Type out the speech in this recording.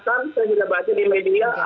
saya sudah bahasnya di media